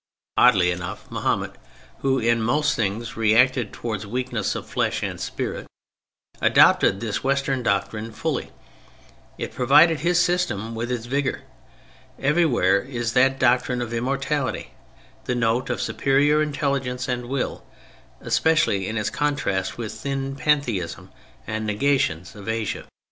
Oddly enough, Mahomet, who in most things reacted towards weakness of flesh and spirit, adopted this Western doctrine fully; it provided his system with its vigor. Everywhere is that doctrine of immortality the note of superior intelligence and will, especially in its contrast with the thin pantheism and negations of Asia.